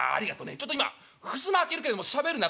ちょっと今ふすま開けるけれどもしゃべるなよ。